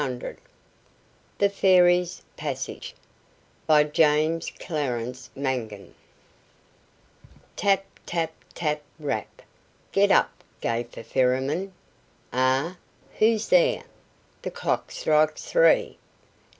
THE FAIRIES' PASSAGE BY JAMES CLARENCE MANGAN Tap, tap, tap, rap! "Get up, gaffer Ferryman," "Eh! Who is there?" The clock strikes three.